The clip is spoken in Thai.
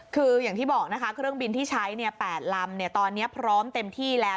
คืออย่างที่บอกนะคะเครื่องบินที่ใช้๘ลำตอนนี้พร้อมเต็มที่แล้ว